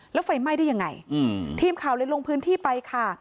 แล้วไฟไหม้ได้ยังไงทีมข่าวเลยลงพื้นที่ไปค่ะ